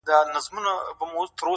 روهیلۍ د روهستان مي څه ښه برېښي,